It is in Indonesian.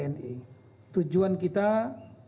tujuan kita tidak hanya untuk memperbaiki keamanan